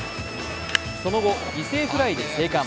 その後、犠牲フライで生還。